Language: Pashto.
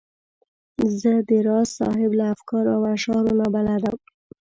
زه د راز صاحب له افکارو او اشعارو نا بلده وم.